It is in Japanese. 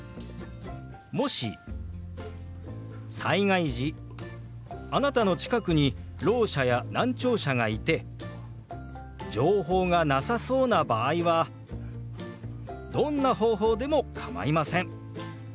もし災害時あなたの近くにろう者や難聴者がいて情報がなさそうな場合はどんな方法でも構いません